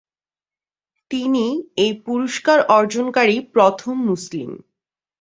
তিনি এই পুরস্কার অর্জনকারী প্রথম মুসলিম।